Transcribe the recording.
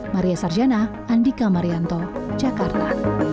maria sarjana andika marianto jakarta